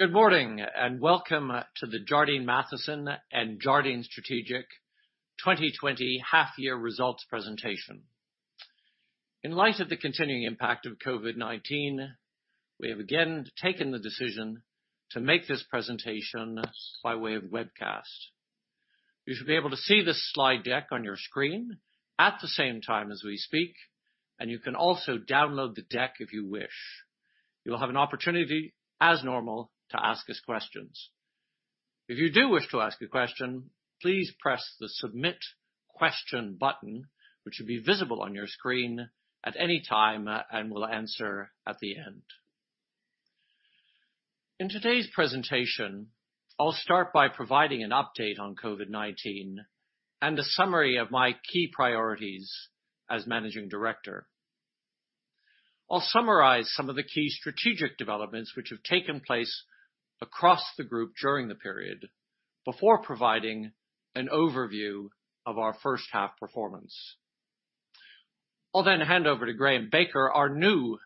Good morning and welcome to the Jardine Matheson and Jardine Strategic 2020 half-year results presentation. In light of the continuing impact of COVID-19, we have again taken the decision to make this presentation by way of webcast. You should be able to see the slide deck on your screen at the same time as we speak, and you can also download the deck if you wish. You will have an opportunity, as normal, to ask us questions. If you do wish to ask a question, please press the Submit Question button, which will be visible on your screen at any time, and we'll answer at the end. In today's presentation, I'll start by providing an update on COVID-19 and a summary of my key priorities as Managing Director. I'll summarize some of the key strategic developments which have taken place across the group during the period before providing an overview of our first half performance. I'll then hand over to Graham Baker, our new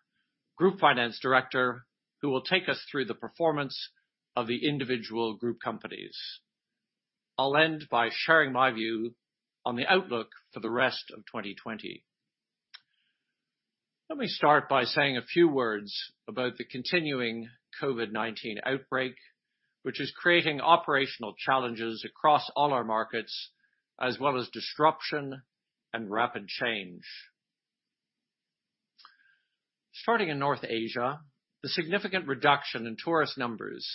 Group Finance Director, who will take us through the performance of the individual group companies. I'll end by sharing my view on the outlook for the rest of 2020. Let me start by saying a few words about the continuing COVID-19 outbreak, which is creating operational challenges across all our markets, as well as disruption and rapid change. Starting in North Asia, the significant reduction in tourist numbers,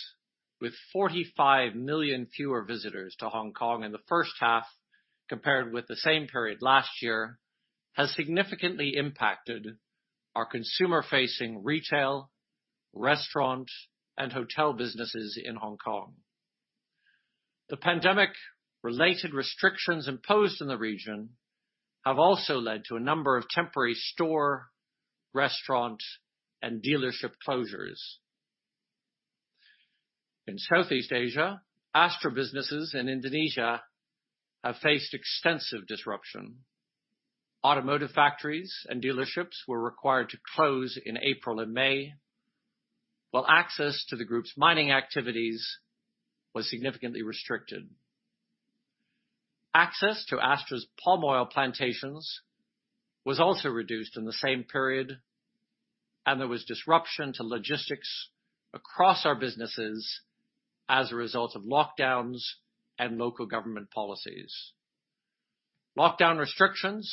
with 45 million fewer visitors to Hong Kong in the first half compared with the same period last year, has significantly impacted our consumer-facing retail, restaurant, and hotel businesses in Hong Kong. The pandemic-related restrictions imposed in the region have also led to a number of temporary store, restaurant, and dealership closures. In Southeast Asia, Astra businesses in Indonesia have faced extensive disruption. Automotive factories and dealerships were required to close in April and May, while access to the group's mining activities was significantly restricted. Access to Astra's palm oil plantations was also reduced in the same period, and there was disruption to logistics across our businesses as a result of lockdowns and local government policies. Lockdown restrictions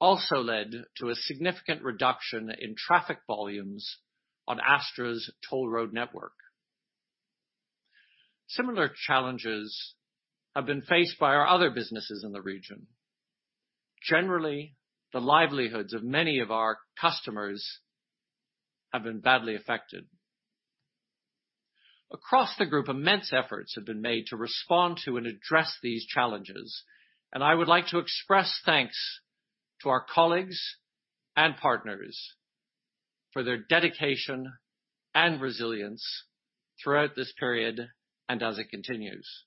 also led to a significant reduction in traffic volumes on Astra's toll road network. Similar challenges have been faced by our other businesses in the region. Generally, the livelihoods of many of our customers have been badly affected. Across the group, immense efforts have been made to respond to and address these challenges, and I would like to express thanks to our colleagues and partners for their dedication and resilience throughout this period and as it continues.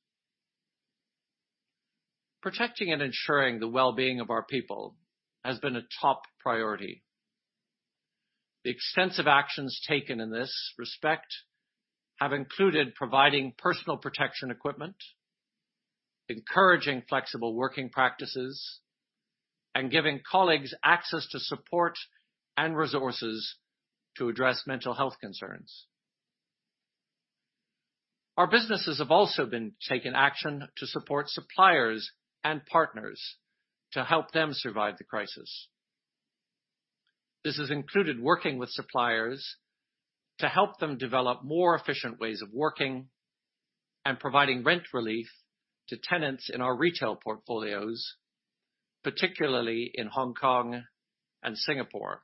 Protecting and ensuring the well-being of our people has been a top priority. The extensive actions taken in this respect have included providing personal protection equipment, encouraging flexible working practices, and giving colleagues access to support and resources to address mental health concerns. Our businesses have also been taking action to support suppliers and partners to help them survive the crisis. This has included working with suppliers to help them develop more efficient ways of working and providing rent relief to tenants in our retail portfolios, particularly in Hong Kong and Singapore.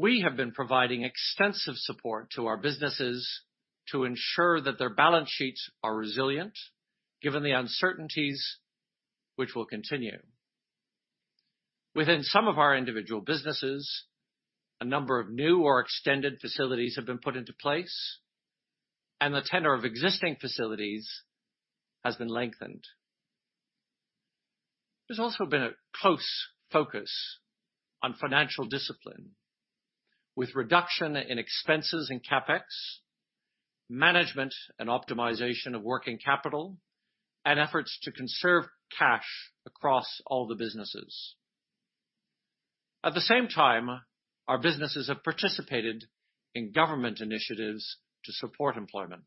We have been providing extensive support to our businesses to ensure that their balance sheets are resilient given the uncertainties which will continue. Within some of our individual businesses, a number of new or extended facilities have been put into place, and the tenor of existing facilities has been lengthened. There has also been a close focus on financial discipline, with reduction in expenses and CapEx, management and optimization of working capital, and efforts to conserve cash across all the businesses. At the same time, our businesses have participated in government initiatives to support employment.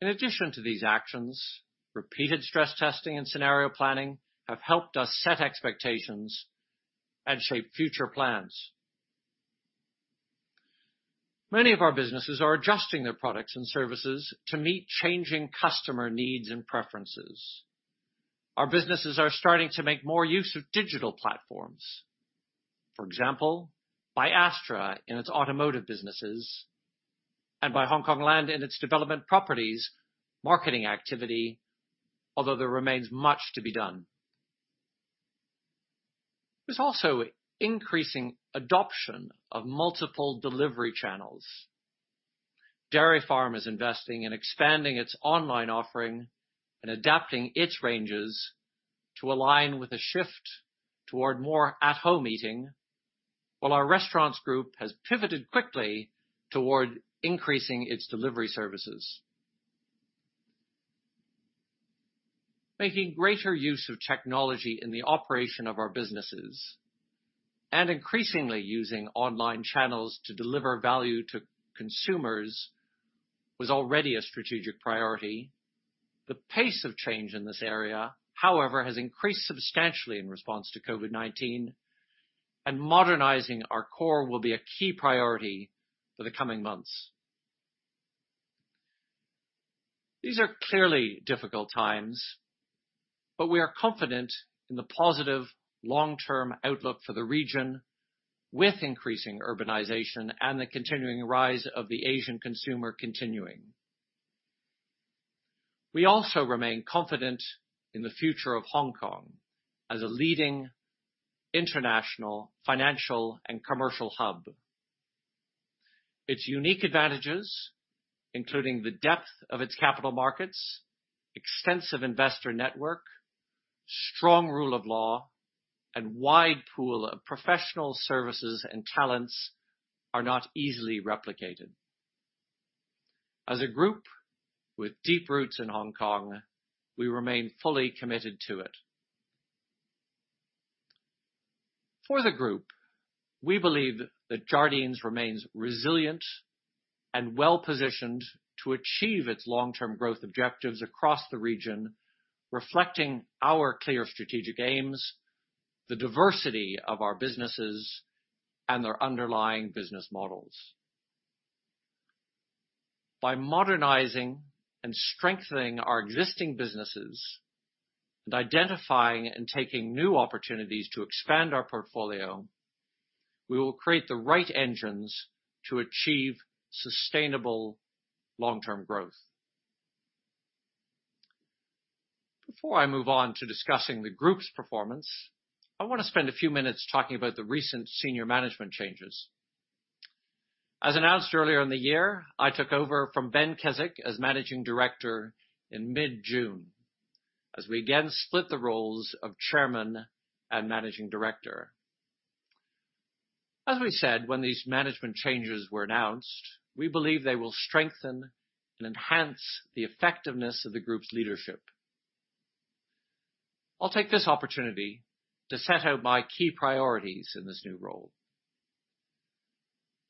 In addition to these actions, repeated stress testing and scenario planning have helped us set expectations and shape future plans. Many of our businesses are adjusting their products and services to meet changing customer needs and preferences. Our businesses are starting to make more use of digital platforms. For example, by Astra in its automotive businesses and by Hong Kong Land in its development properties marketing activity, although there remains much to be done. There is also increasing adoption of multiple delivery channels. Dairy Farm is investing in expanding its online offering and adapting its ranges to align with a shift toward more at-home eating, while our restaurants group has pivoted quickly toward increasing its delivery services. Making greater use of technology in the operation of our businesses and increasingly using online channels to deliver value to consumers was already a strategic priority. The pace of change in this area, however, has increased substantially in response to COVID-19, and modernizing our core will be a key priority for the coming months. These are clearly difficult times, but we are confident in the positive long-term outlook for the region with increasing urbanization and the continuing rise of the Asian consumer continuing. We also remain confident in the future of Hong Kong as a leading international financial and commercial hub. Its unique advantages, including the depth of its capital markets, extensive investor network, strong rule of law, and wide pool of professional services and talents, are not easily replicated. As a group with deep roots in Hong Kong, we remain fully committed to it. For the group, we believe that Jardine Matheson remains resilient and well-positioned to achieve its long-term growth objectives across the region, reflecting our clear strategic aims, the diversity of our businesses, and their underlying business models. By modernizing and strengthening our existing businesses and identifying and taking new opportunities to expand our portfolio, we will create the right engines to achieve sustainable long-term growth. Before I move on to discussing the group's performance, I want to spend a few minutes talking about the recent senior management changes. As announced earlier in the year, I took over from Ben Keswick as Managing Director in mid-June, as we again split the roles of Chairman and Managing Director. As we said, when these management changes were announced, we believe they will strengthen and enhance the effectiveness of the group's leadership. I'll take this opportunity to set out my key priorities in this new role.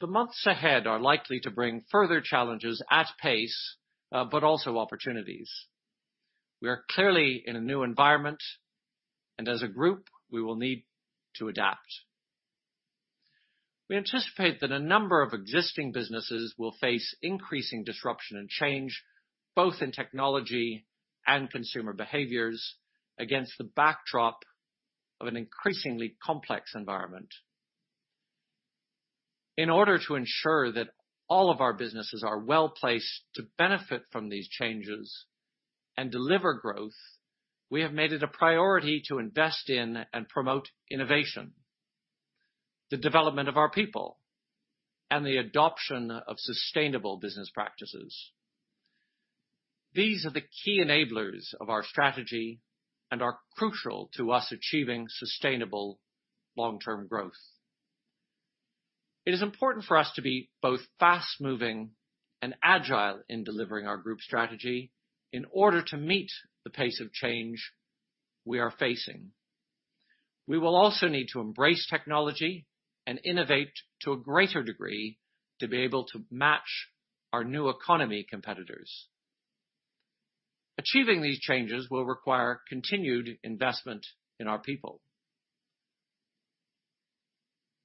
The months ahead are likely to bring further challenges at pace, but also opportunities. We are clearly in a new environment, and as a group, we will need to adapt. We anticipate that a number of existing businesses will face increasing disruption and change, both in technology and consumer behaviors, against the backdrop of an increasingly complex environment. In order to ensure that all of our businesses are well-placed to benefit from these changes and deliver growth, we have made it a priority to invest in and promote innovation, the development of our people, and the adoption of sustainable business practices. These are the key enablers of our strategy and are crucial to us achieving sustainable long-term growth. It is important for us to be both fast-moving and agile in delivering our group strategy in order to meet the pace of change we are facing. We will also need to embrace technology and innovate to a greater degree to be able to match our new economy competitors. Achieving these changes will require continued investment in our people.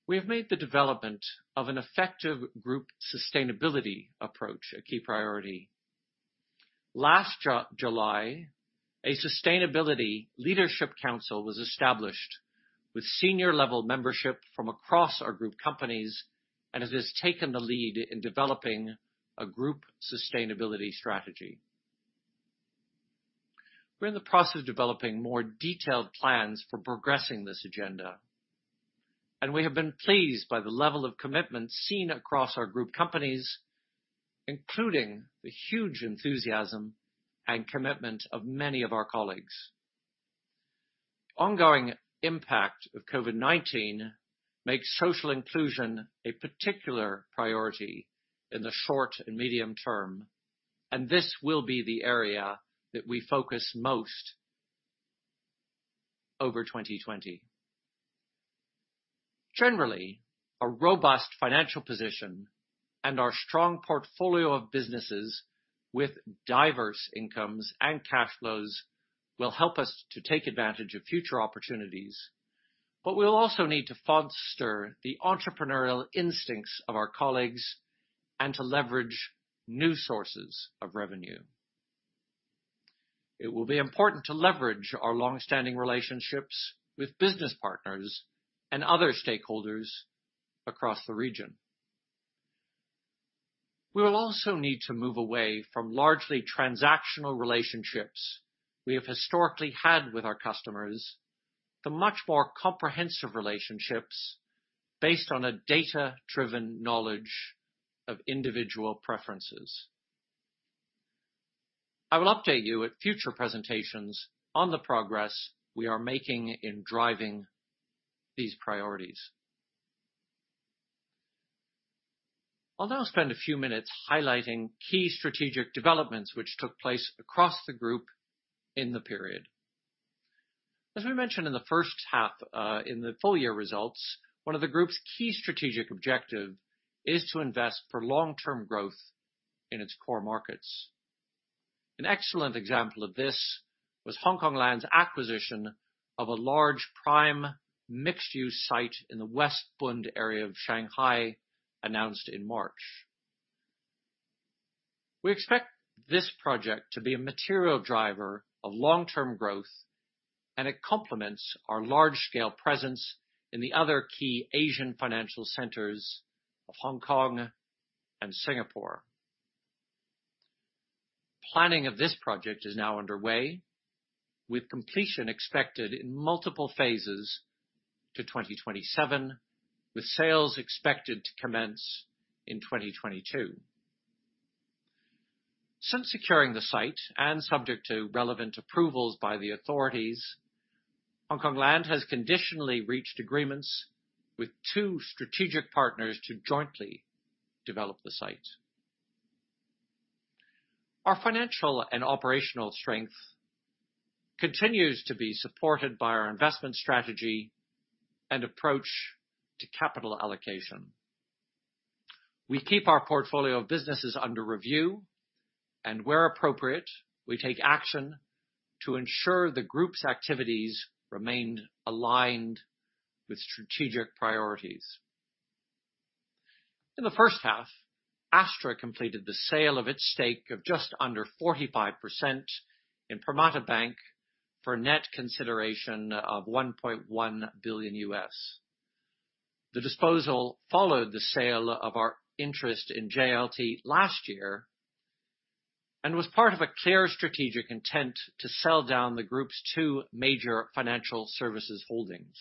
We have made the development of an effective group sustainability approach a key priority. Last July, a Sustainability Leadership Council was established with senior-level membership from across our group companies, and it has taken the lead in developing a group sustainability strategy. We're in the process of developing more detailed plans for progressing this agenda, and we have been pleased by the level of commitment seen across our group companies, including the huge enthusiasm and commitment of many of our colleagues. The ongoing impact of COVID-19 makes social inclusion a particular priority in the short and medium term, and this will be the area that we focus most over 2020. Generally, a robust financial position and our strong portfolio of businesses with diverse incomes and cash flows will help us to take advantage of future opportunities, but we'll also need to foster the entrepreneurial instincts of our colleagues and to leverage new sources of revenue. It will be important to leverage our long-standing relationships with business partners and other stakeholders across the region. We will also need to move away from largely transactional relationships we have historically had with our customers to much more comprehensive relationships based on a data-driven knowledge of individual preferences. I will update you at future presentations on the progress we are making in driving these priorities. I'll now spend a few minutes highlighting key strategic developments which took place across the group in the period. As we mentioned in the first half in the full-year results, one of the group's key strategic objectives is to invest for long-term growth in its core markets. An excellent example of this was Hong Kong Land's acquisition of a large prime mixed-use site in the West Bund area of Shanghai announced in March. We expect this project to be a material driver of long-term growth, and it complements our large-scale presence in the other key Asian financial centers of Hong Kong and Singapore. Planning of this project is now underway, with completion expected in multiple phases to 2027, with sales expected to commence in 2022. Since securing the site and subject to relevant approvals by the authorities, Hong Kong Land has conditionally reached agreements with two strategic partners to jointly develop the site. Our financial and operational strength continues to be supported by our investment strategy and approach to capital allocation. We keep our portfolio of businesses under review, and where appropriate, we take action to ensure the group's activities remain aligned with strategic priorities. In the first half, Astra completed the sale of its stake of just under 45% in Permata Bank for a net consideration of $1.1 billion. The disposal followed the sale of our interest in Jardine Lloyd Thompson last year and was part of a clear strategic intent to sell down the group's two major financial services holdings.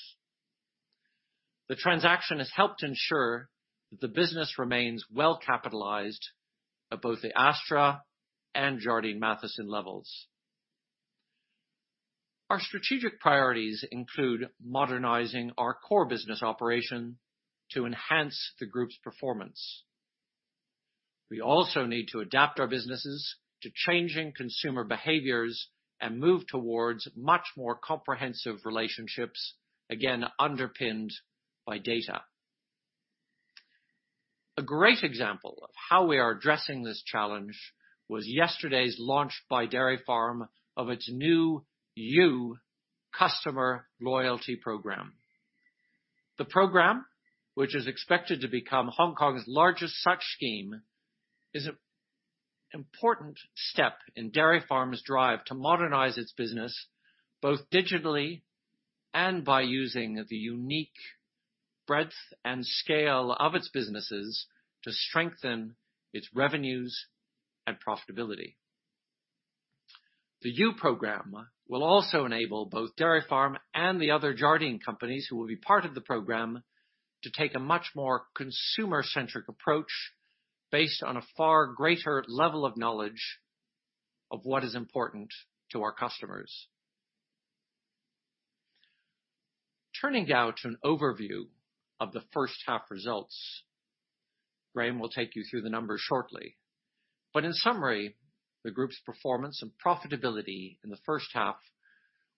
The transaction has helped ensure that the business remains well-capitalized at both the Astra and Jardine Matheson levels. Our strategic priorities include modernizing our core business operation to enhance the group's performance. We also need to adapt our businesses to changing consumer behaviors and move towards much more comprehensive relationships, again underpinned by data. A great example of how we are addressing this challenge was yesterday's launch by Dairy Farm of its new U Customer Loyalty Program. The program, which is expected to become Hong Kong's largest such scheme, is an important step in Dairy Farm's drive to modernize its business both digitally and by using the unique breadth and scale of its businesses to strengthen its revenues and profitability. The U Program will also enable both Dairy Farm and the other Jardine companies who will be part of the program to take a much more consumer-centric approach based on a far greater level of knowledge of what is important to our customers. Turning now to an overview of the first half results, Graham will take you through the numbers shortly, but in summary, the group's performance and profitability in the first half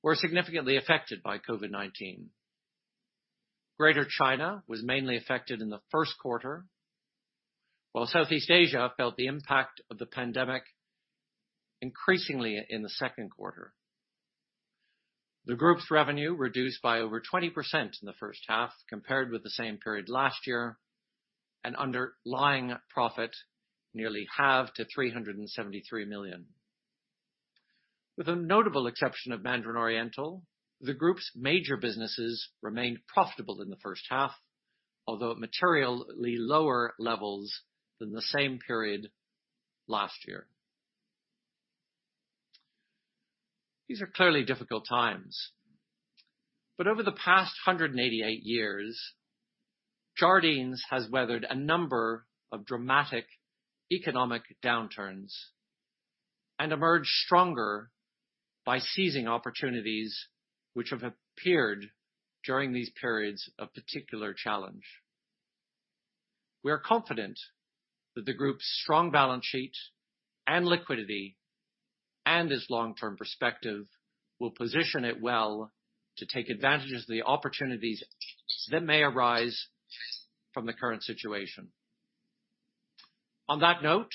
were significantly affected by COVID-19. Greater China was mainly affected in the first quarter, while Southeast Asia felt the impact of the pandemic increasingly in the second quarter. The group's revenue reduced by over 20% in the first half compared with the same period last year and underlying profit nearly halved to $373 million. With a notable exception of Mandarin Oriental, the group's major businesses remained profitable in the first half, although at materially lower levels than the same period last year. These are clearly difficult times, but over the past 188 years, Jardine Matheson has weathered a number of dramatic economic downturns and emerged stronger by seizing opportunities which have appeared during these periods of particular challenge. We are confident that the group's strong balance sheet and liquidity and its long-term perspective will position it well to take advantage of the opportunities that may arise from the current situation. On that note,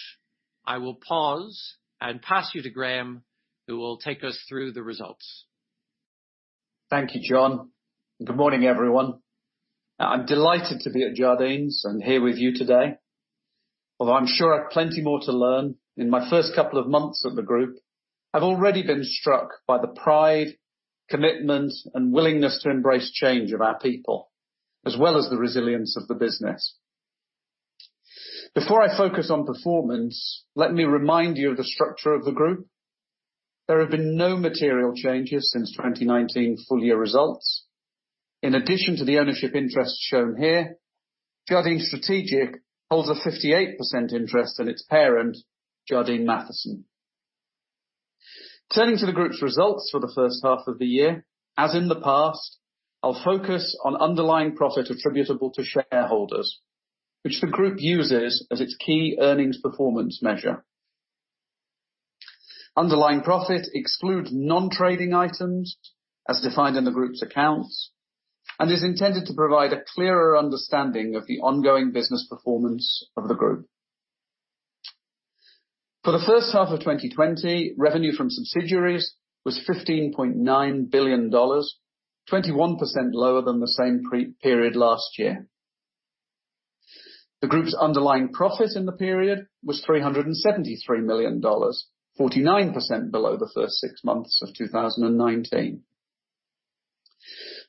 I will pause and pass you to Graham, who will take us through the results. Thank you, John. Good morning, everyone. I'm delighted to be at Jardine Matheson and here with you today. Although I'm sure I have plenty more to learn in my first couple of months at the group, I've already been struck by the pride, commitment, and willingness to embrace change of our people, as well as the resilience of the business. Before I focus on performance, let me remind you of the structure of the group. There have been no material changes since 2019 full-year results. In addition to the ownership interests shown here, Jardine Strategic holds a 58% interest in its parent, Jardine Matheson. Turning to the group's results for the first half of the year, as in the past, I'll focus on underlying profit attributable to shareholders, which the group uses as its key earnings performance measure. Underlying profit excludes non-trading items as defined in the group's accounts and is intended to provide a clearer understanding of the ongoing business performance of the group. For the first half of 2020, revenue from subsidiaries was $15.9 billion, 21% lower than the same period last year. The group's underlying profit in the period was $373 million, 49% below the first six months of 2019.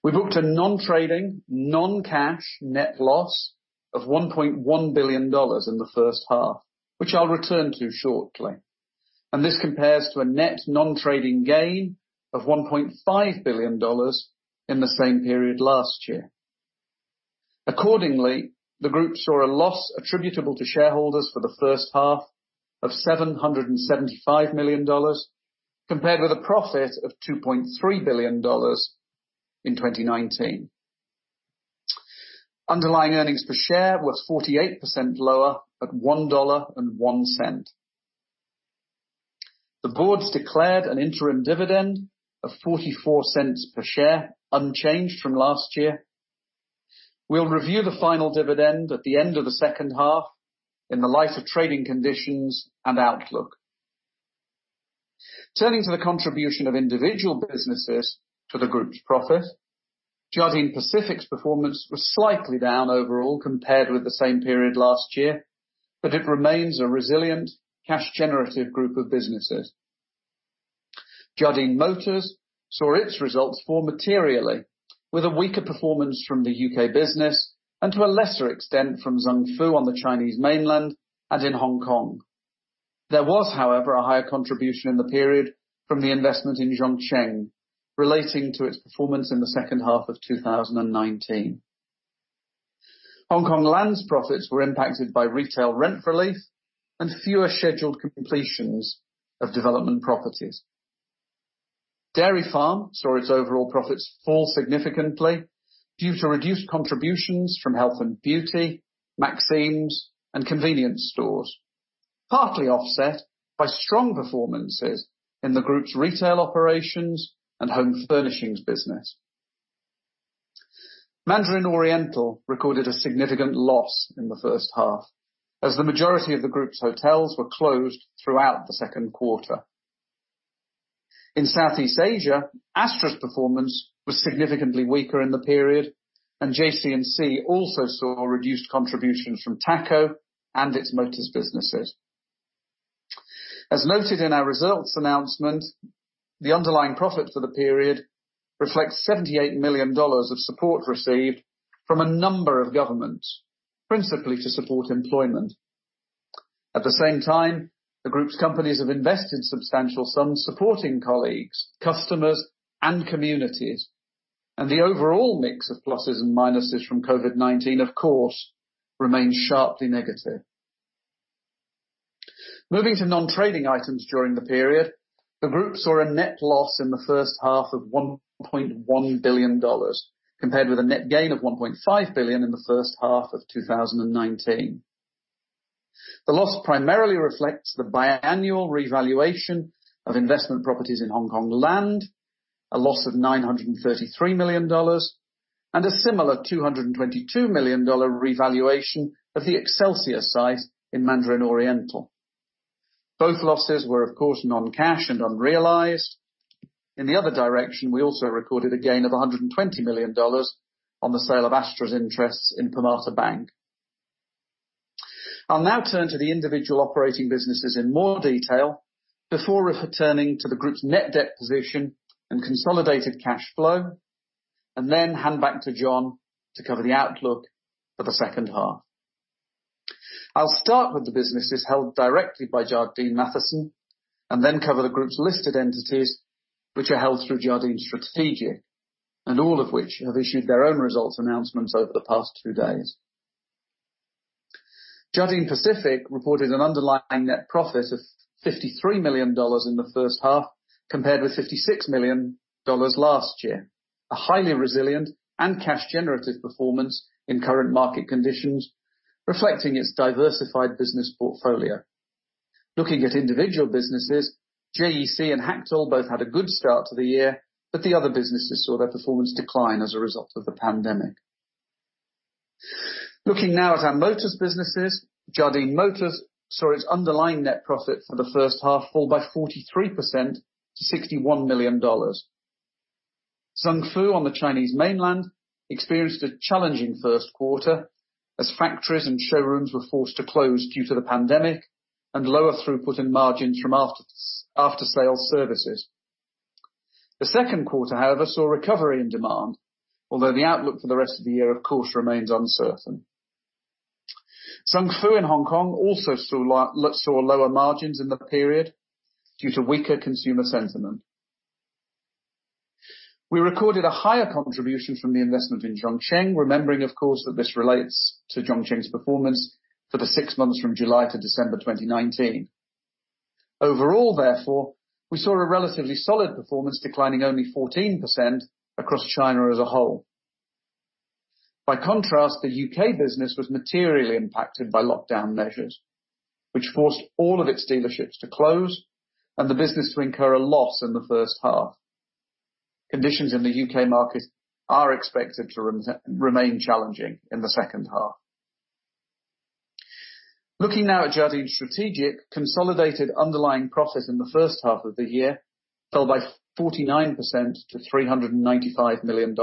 We booked a non-trading, non-cash net loss of $1.1 billion in the first half, which I'll return to shortly, and this compares to a net non-trading gain of $1.5 billion in the same period last year. Accordingly, the group saw a loss attributable to shareholders for the first half of $775 million, compared with a profit of $2.3 billion in 2019. Underlying earnings per share was 48% lower at $1.01. The board's declared an interim dividend of $0.44 per share, unchanged from last year. We'll review the final dividend at the end of the second half in the light of trading conditions and outlook. Turning to the contribution of individual businesses to the group's profit, Jardine Pacific's performance was slightly down overall compared with the same period last year, but it remains a resilient, cash-generative group of businesses. Jardine Motors saw its results more materially, with a weaker performance from the U.K. business and to a lesser extent from Zung Fu on the Chinese mainland and in Hong Kong. There was, however, a higher contribution in the period from the investment in Zhongsheng relating to its performance in the second half of 2019. Hong Kong Land's profits were impacted by retail rent relief and fewer scheduled completions of development properties. Dairy Farm saw its overall profits fall significantly due to reduced contributions from Health and Beauty, Maxime's, and convenience stores, partly offset by strong performances in the group's retail operations and home furnishings business. Mandarin Oriental recorded a significant loss in the first half as the majority of the group's hotels were closed throughout the second quarter. In Southeast Asia, Astra's performance was significantly weaker in the period, and Jardine Cycle & Carriage also saw reduced contributions from Tunas Ridean and its motors businesses. As noted in our results announcement, the underlying profit for the period reflects $78 million of support received from a number of governments, principally to support employment. At the same time, the group's companies have invested substantial sums supporting colleagues, customers, and communities, and the overall mix of pluses and minuses from COVID-19, of course, remains sharply negative. Moving to non-trading items during the period, the group saw a net loss in the first half of $1.1 billion, compared with a net gain of $1.5 billion in the first half of 2019. The loss primarily reflects the biannual revaluation of investment properties in Hong Kong Land, a loss of $933 million, and a similar $222 million revaluation of the Excelsior site in Mandarin Oriental. Both losses were, of course, non-cash and unrealized. In the other direction, we also recorded a gain of $120 million on the sale of Astra's interests in Permata Bank. I'll now turn to the individual operating businesses in more detail before returning to the group's net debt position and consolidated cash flow, and then hand back to John to cover the outlook for the second half. I'll start with the businesses held directly by Jardine Matheson and then cover the group's listed entities, which are held through Jardine Strategic, and all of which have issued their own results announcements over the past two days. Jardine Pacific reported an underlying net profit of $53 million in the first half, compared with $56 million last year, a highly resilient and cash-generative performance in current market conditions, reflecting its diversified business portfolio. Looking at individual businesses, JEC and Hactl both had a good start to the year, but the other businesses saw their performance decline as a result of the pandemic. Looking now at our motors businesses, Jardine Motors saw its underlying net profit for the first half fall by 43% to $61 million. Zung Fu on the Chinese mainland experienced a challenging first quarter as factories and showrooms were forced to close due to the pandemic and lower throughput and margins from after-sales services. The second quarter, however, saw recovery in demand, although the outlook for the rest of the year, of course, remains uncertain. Zung Fu in Hong Kong also saw lower margins in the period due to weaker consumer sentiment. We recorded a higher contribution from the investment in Zhongsheng, remembering, of course, that this relates to Zhongsheng's performance for the six months from July to December 2019. Overall, therefore, we saw a relatively solid performance declining only 14% across China as a whole. By contrast, the U.K. business was materially impacted by lockdown measures, which forced all of its dealerships to close and the business to incur a loss in the first half. Conditions in the U.K. market are expected to remain challenging in the second half. Looking now at Jardine Strategic, consolidated underlying profit in the first half of the year fell by 49% to $395 million.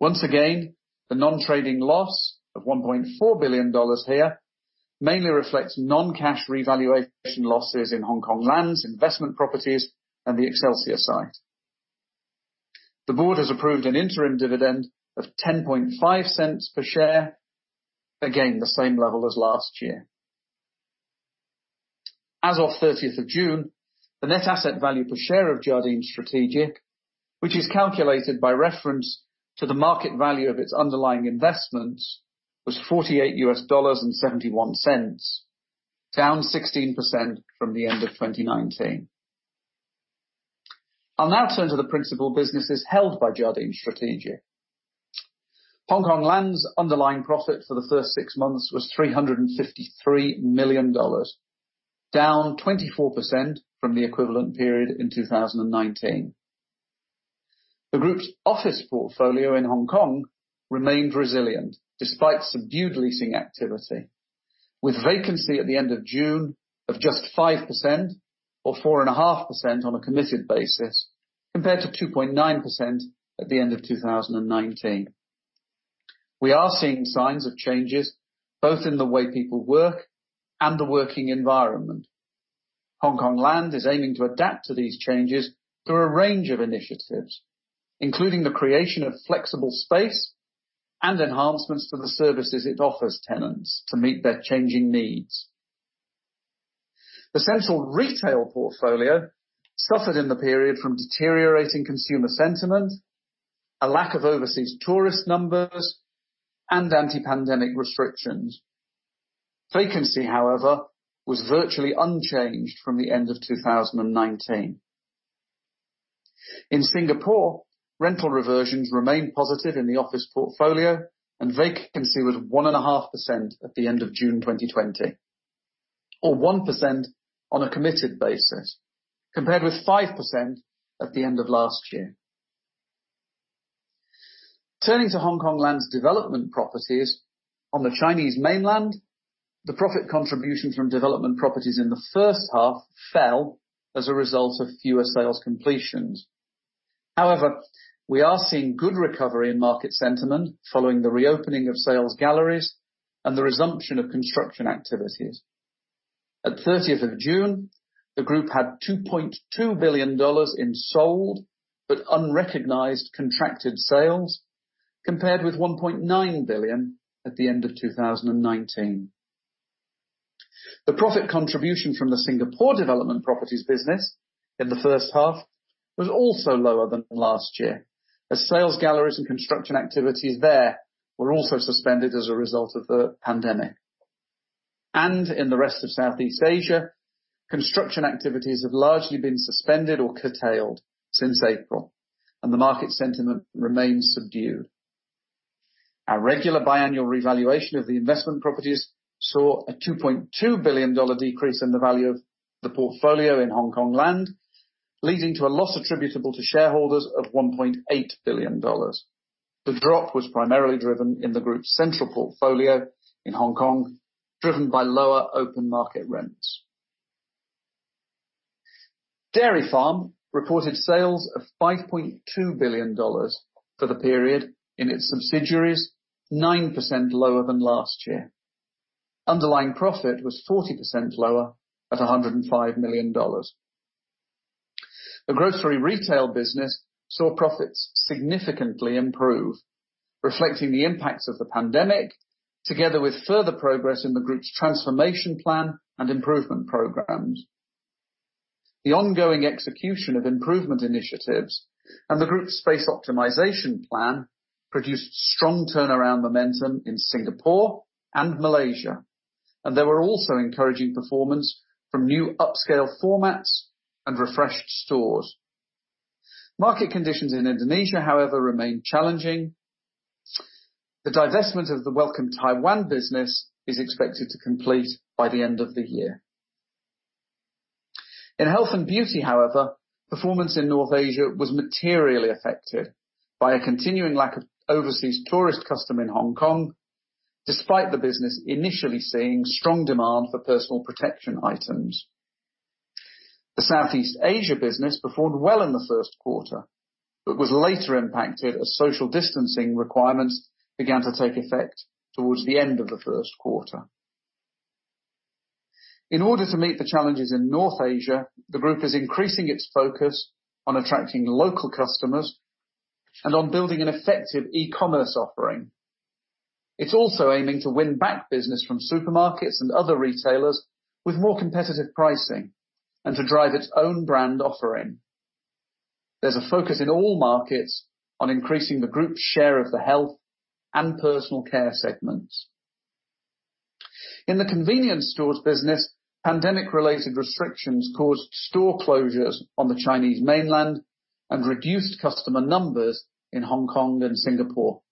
Once again, the non-trading loss of $1.4 billion here mainly reflects non-cash revaluation losses in Hong Kong Land's investment properties and the Excelsior site. The board has approved an interim dividend of $0.105 per share, again the same level as last year. As of 30th of June, the net asset value per share of Jardine Strategic, which is calculated by reference to the market value of its underlying investments, was $48.71, down 16% from the end of 2019. I'll now turn to the principal businesses held by Jardine Strategic. Hong Kong Land's underlying profit for the first six months was $353 million, down 24% from the equivalent period in 2019. The group's office portfolio in Hong Kong remained resilient despite subdued leasing activity, with vacancy at the end of June of just 5% or 4.5% on a committed basis compared to 2.9% at the end of 2019. We are seeing signs of changes both in the way people work and the working environment. Hong Kong Land is aiming to adapt to these changes through a range of initiatives, including the creation of flexible space and enhancements to the services it offers tenants to meet their changing needs. The central retail portfolio suffered in the period from deteriorating consumer sentiment, a lack of overseas tourist numbers, and anti-pandemic restrictions. Vacancy, however, was virtually unchanged from the end of 2019. In Singapore, rental reversions remained positive in the office portfolio, and vacancy was 1.5% at the end of June 2020, or 1% on a committed basis compared with 5% at the end of last year. Turning to Hong Kong Land's development properties on the Chinese mainland, the profit contribution from development properties in the first half fell as a result of fewer sales completions. However, we are seeing good recovery in market sentiment following the reopening of sales galleries and the resumption of construction activities. At 30th of June, the group had $2.2 billion in sold but unrecognized contracted sales compared with $1.9 billion at the end of 2019. The profit contribution from the Singapore development properties business in the first half was also lower than last year, as sales galleries and construction activities there were also suspended as a result of the pandemic. In the rest of Southeast Asia, construction activities have largely been suspended or curtailed since April, and the market sentiment remains subdued. Our regular biannual revaluation of the investment properties saw a $2.2 billion decrease in the value of the portfolio in Hong Kong Land, leading to a loss attributable to shareholders of $1.8 billion. The drop was primarily driven in the group's central portfolio in Hong Kong, driven by lower open market rents. Dairy Farm reported sales of $5.2 billion for the period in its subsidiaries, 9% lower than last year. Underlying profit was 40% lower at $105 million. The grocery retail business saw profits significantly improve, reflecting the impacts of the pandemic, together with further progress in the group's transformation plan and improvement programs. The ongoing execution of improvement initiatives and the group's space optimization plan produced strong turnaround momentum in Singapore and Malaysia, and there were also encouraging performance from new upscale formats and refreshed stores. Market conditions in Indonesia, however, remain challenging. The divestment of the Welcome Taiwan business is expected to complete by the end of the year. In Health and Beauty, however, performance in North Asia was materially affected by a continuing lack of overseas tourist custom in Hong Kong, despite the business initially seeing strong demand for personal protection items. The Southeast Asia business performed well in the first quarter, but was later impacted as social distancing requirements began to take effect towards the end of the first quarter. In order to meet the challenges in North Asia, the group is increasing its focus on attracting local customers and on building an effective e-commerce offering. It's also aiming to win back business from supermarkets and other retailers with more competitive pricing and to drive its own brand offering. There's a focus in all markets on increasing the group's share of the health and personal care segments. In the convenience stores business, pandemic-related restrictions caused store closures on the Chinese mainland and reduced customer numbers in Hong Kong and Singapore.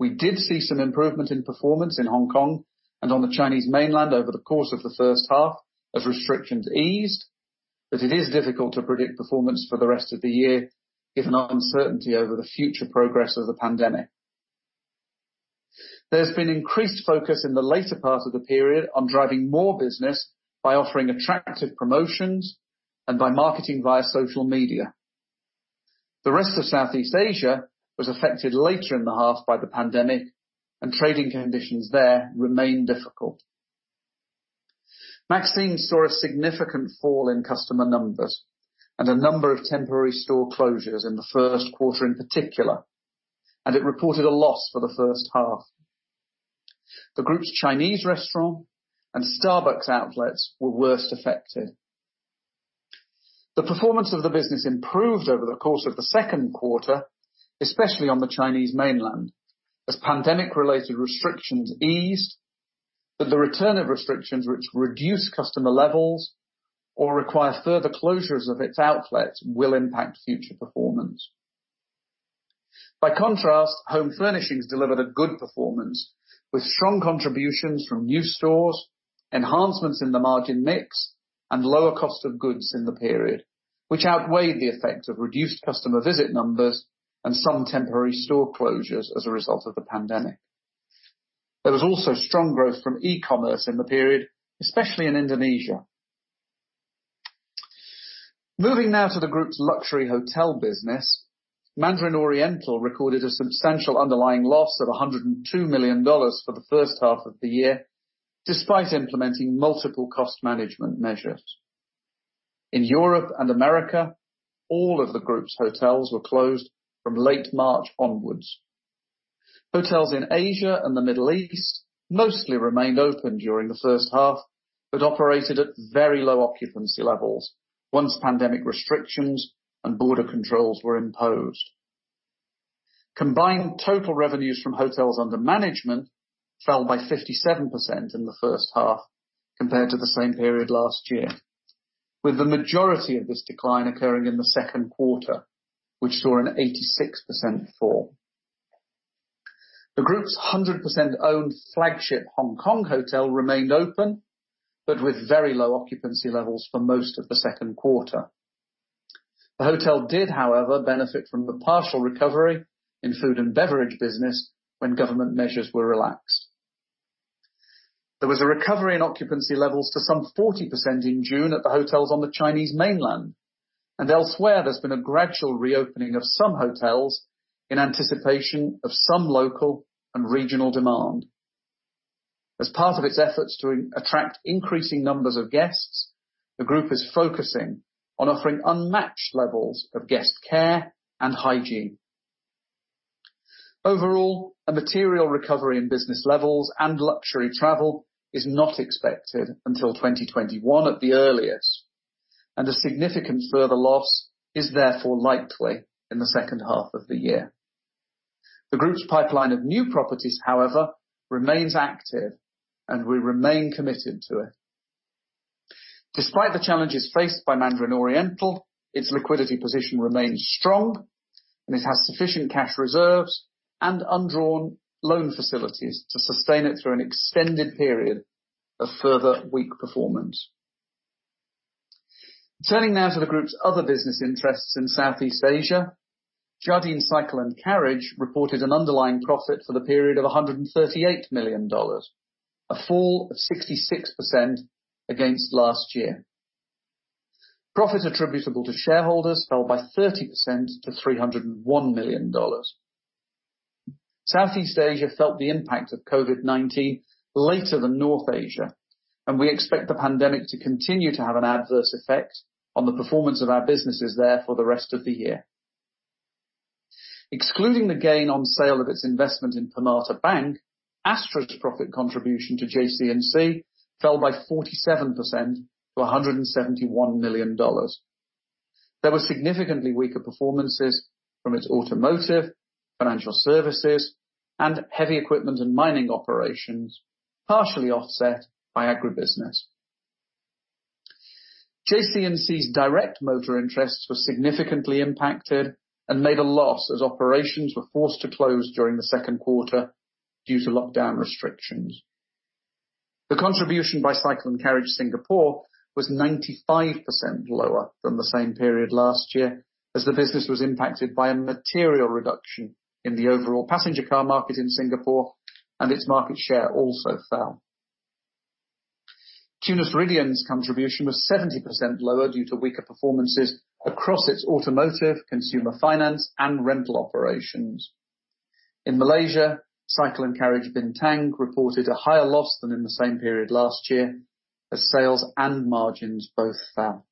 We did see some improvement in performance in Hong Kong and on the Chinese mainland over the course of the first half as restrictions eased, but it is difficult to predict performance for the rest of the year given uncertainty over the future progress of the pandemic. There has been increased focus in the later part of the period on driving more business by offering attractive promotions and by marketing via social media. The rest of Southeast Asia was affected later in the half by the pandemic, and trading conditions there remained difficult. Maxime's saw a significant fall in customer numbers and a number of temporary store closures in the first quarter in particular, and it reported a loss for the first half. The group's Chinese restaurant and Starbucks outlets were worst affected. The performance of the business improved over the course of the second quarter, especially on the Chinese mainland, as pandemic-related restrictions eased, but the return of restrictions, which reduce customer levels or require further closures of its outlets, will impact future performance. By contrast, home furnishings delivered a good performance with strong contributions from new stores, enhancements in the margin mix, and lower cost of goods in the period, which outweighed the effect of reduced customer visit numbers and some temporary store closures as a result of the pandemic. There was also strong growth from e-commerce in the period, especially in Indonesia. Moving now to the group's luxury hotel business, Mandarin Oriental recorded a substantial underlying loss of $102 million for the first half of the year, despite implementing multiple cost management measures. In Europe and America, all of the group's hotels were closed from late March onwards. Hotels in Asia and the Middle East mostly remained open during the first half but operated at very low occupancy levels once pandemic restrictions and border controls were imposed. Combined total revenues from hotels under management fell by 57% in the first half compared to the same period last year, with the majority of this decline occurring in the second quarter, which saw an 86% fall. The group's 100% owned flagship Hong Kong hotel remained open, but with very low occupancy levels for most of the second quarter. The hotel did, however, benefit from the partial recovery in food and beverage business when government measures were relaxed. There was a recovery in occupancy levels to some 40% in June at the hotels on the Chinese mainland, and elsewhere there's been a gradual reopening of some hotels in anticipation of some local and regional demand. As part of its efforts to attract increasing numbers of guests, the group is focusing on offering unmatched levels of guest care and hygiene. Overall, a material recovery in business levels and luxury travel is not expected until 2021 at the earliest, and a significant further loss is therefore likely in the second half of the year. The group's pipeline of new properties, however, remains active, and we remain committed to it. Despite the challenges faced by Mandarin Oriental, its liquidity position remains strong, and it has sufficient cash reserves and undrawn loan facilities to sustain it through an extended period of further weak performance. Turning now to the group's other business interests in Southeast Asia, Jardine Cycle & Carriage reported an underlying profit for the period of $138 million, a fall of 66% against last year. Profit attributable to shareholders fell by 30% to $301 million. Southeast Asia felt the impact of COVID-19 later than North Asia, and we expect the pandemic to continue to have an adverse effect on the performance of our businesses there for the rest of the year. Excluding the gain on sale of its investment in Permata Bank, Astra's profit contribution to JCNC fell by 47% to $171 million. There were significantly weaker performances from its automotive, financial services, and heavy equipment and mining operations, partially offset by agribusiness. JCNC's direct motor interests were significantly impacted and made a loss as operations were forced to close during the second quarter due to lockdown restrictions. The contribution by Cycle & Carriage Singapore was 95% lower than the same period last year as the business was impacted by a material reduction in the overall passenger car market in Singapore, and its market share also fell. Tunas Ridean's contribution was 70% lower due to weaker performances across its automotive, consumer finance, and rental operations. In Malaysia, Cycle & Carriage Bintang reported a higher loss than in the same period last year as sales and margins both fell.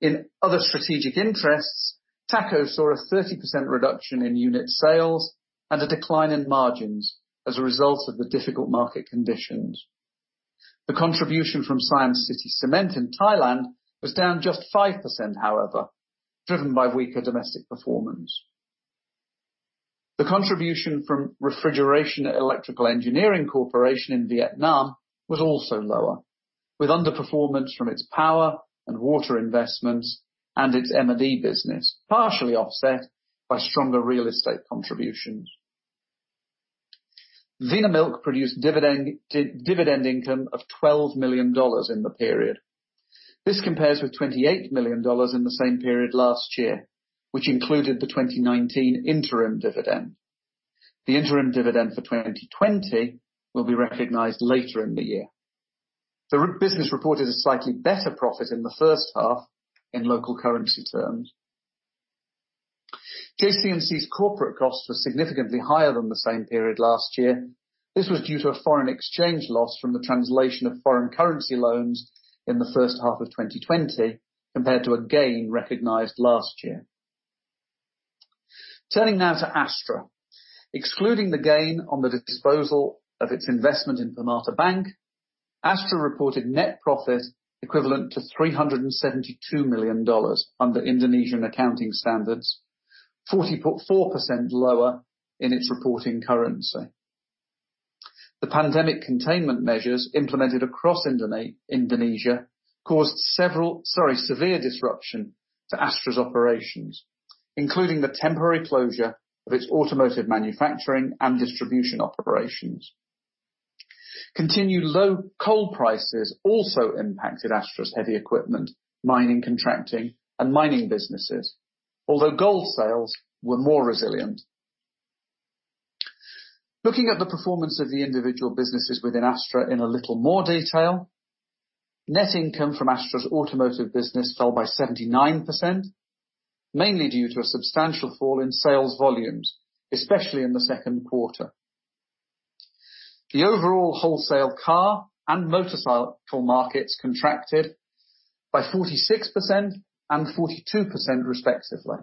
In other strategic interests, Taco saw a 30% reduction in unit sales and a decline in margins as a result of the difficult market conditions. The contribution from Siam City Cement in Thailand was down just 5%, however, driven by weaker domestic performance. The contribution from REE Corporation in Vietnam was also lower, with underperformance from its power and water investments and its M&E business, partially offset by stronger real estate contributions. Vinamilk produced dividend income of $12 million in the period. This compares with $28 million in the same period last year, which included the 2019 interim dividend. The interim dividend for 2020 will be recognized later in the year. The business reported a slightly better profit in the first half in local currency terms. JCNC's corporate costs were significantly higher than the same period last year. This was due to a foreign exchange loss from the translation of foreign currency loans in the first half of 2020 compared to a gain recognized last year. Turning now to Astra. Excluding the gain on the disposal of its investment in Permata Bank, Astra reported net profit equivalent to $372 million under Indonesian accounting standards, 44% lower in its reporting currency. The pandemic containment measures implemented across Indonesia caused severe disruption to Astra's operations, including the temporary closure of its automotive manufacturing and distribution operations. Continued low coal prices also impacted Astra's heavy equipment, mining contracting, and mining businesses, although gold sales were more resilient. Looking at the performance of the individual businesses within Astra in a little more detail, net income from Astra's automotive business fell by 79%, mainly due to a substantial fall in sales volumes, especially in the second quarter. The overall wholesale car and motorcycle markets contracted by 46% and 42% respectively,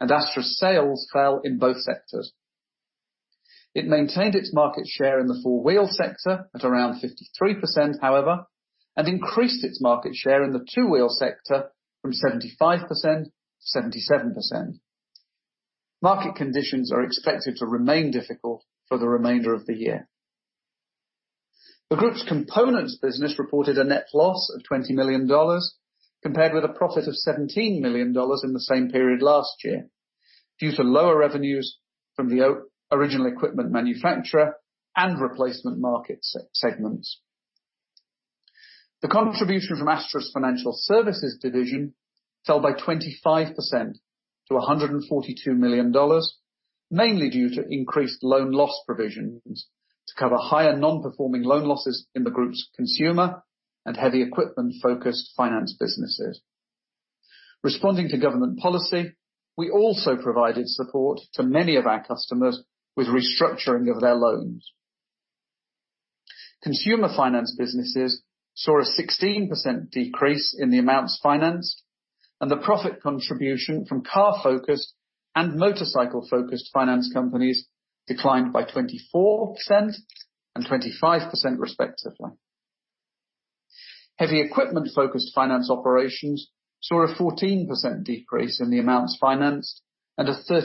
and Astra's sales fell in both sectors. It maintained its market share in the four-wheel sector at around 53%, however, and increased its market share in the two-wheel sector from 75% to 77%. Market conditions are expected to remain difficult for the remainder of the year. The group's components business reported a net loss of $20 million compared with a profit of $17 million in the same period last year due to lower revenues from the original equipment manufacturer and replacement market segments. The contribution from Astra's financial services division fell by 25% to $142 million, mainly due to increased loan loss provisions to cover higher non-performing loan losses in the group's consumer and heavy equipment-focused finance businesses. Responding to government policy, we also provided support to many of our customers with restructuring of their loans. Consumer finance businesses saw a 16% decrease in the amounts financed, and the profit contribution from car-focused and motorcycle-focused finance companies declined by 24% and 25% respectively. Heavy equipment-focused finance operations saw a 14% decrease in the amounts financed and a 30%